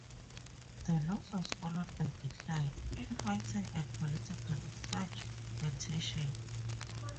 The loss was followed by decline, infighting and political fragmentation.